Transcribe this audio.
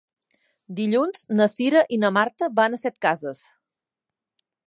Dilluns na Cira i na Marta van a Setcases.